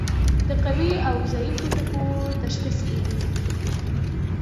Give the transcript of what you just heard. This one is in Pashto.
د قوي او ضعیفو ټکو تشخیص کیږي.